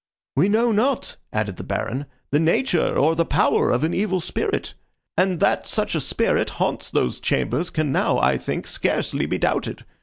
"We know not," added the Baron, "the nature, or the power of an evil spirit; and that such a spirit haunts those chambers can now, I think, scarcely be doubted.